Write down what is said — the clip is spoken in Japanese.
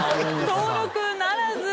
登録ならず。